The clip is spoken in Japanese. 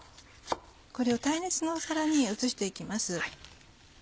これを耐熱の皿に移して行きます。